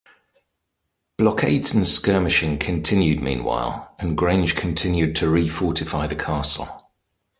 Blockades and skirmishing continued meanwhile, and Grange continued to refortify the castle.